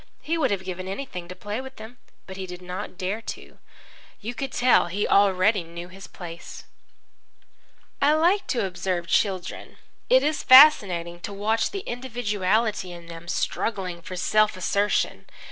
He would have given anything to play with them. But he did not dare to. You could tell he already knew his place. I like to observe children. It is fascinating to watch the individuality in them struggling for self assertion.